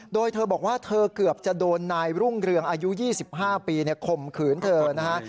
โดยเธอบอกว่าเธอเกือบจะโดนนายรุ่งเรืองอายุ๒๕ปีข่มขืนเธอนะฮะ